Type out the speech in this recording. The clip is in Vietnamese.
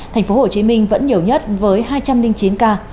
thành phố hồ chí minh vẫn nhiều nhất với hai trăm linh chín ca